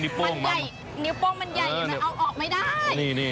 นิ้วโป้งมันใหญ่ทำไมเอาออกไม่ได้